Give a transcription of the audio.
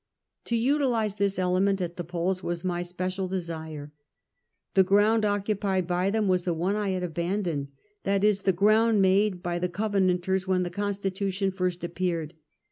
To utilize this element at the polls was my special desire. The ground occupied by them was the one I had abandoned, i. e., the ground made by the Covenanters when the Constitution first appeared.